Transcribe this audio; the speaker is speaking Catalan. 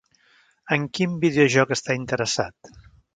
En quin videojoc està interessat?